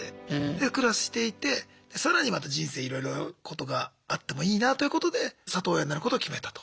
で暮らしていってで更にまた人生いろいろなことがあってもいいなということで里親になることを決めたと。